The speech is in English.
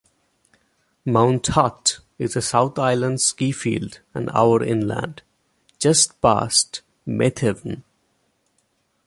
Mount Hutt is a South Island ski field an hour inland, just past Methven.